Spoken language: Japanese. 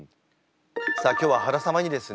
さあ今日は原様にですね